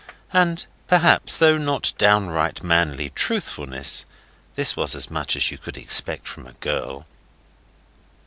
And perhaps, though not downright manly truthfulness, this was as much as you could expect from a girl.